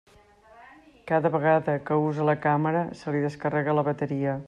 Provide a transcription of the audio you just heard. Cada vegada que usa la càmera se li descarrega la bateria.